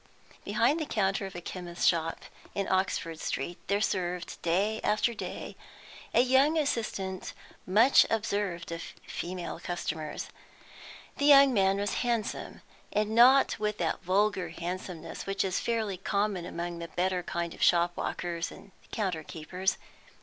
Behind the counter of a chemist's shop in Oxford Street there served, day after day, a young assistant much observed of female customers. The young man was handsome, and not with that vulgar handsomeness which is fairly common among the better kind of shop walkers and counter keepers.